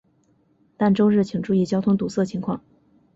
但周日请注意交通堵塞情况。